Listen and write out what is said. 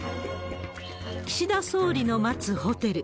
岸田総理の待つホテル。